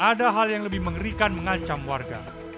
ada hal yang lebih mengerikan mengancam warga